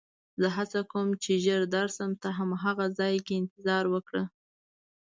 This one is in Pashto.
زه هڅه کوم چې ژر درشم، ته هماغه ځای کې انتظار وکړه.